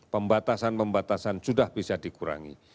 pembatasan pembatasan sudah bisa dikurangi